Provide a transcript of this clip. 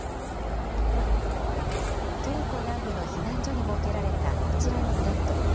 トルコ南部の避難所に設けられたこちらのテント。